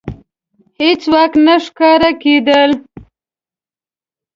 هېڅوک نه ښکاره کېدل.